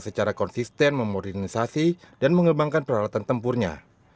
secara konsisten memodernisasi dan mengembangkan peralatan tempurnya